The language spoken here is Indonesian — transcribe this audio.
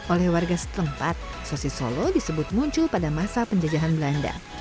oleh warga setempat sosis solo disebut muncul pada masa penjajahan belanda